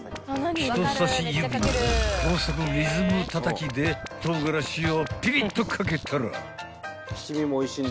［人さし指の高速リズム叩きで唐辛子をピピッと掛けたら］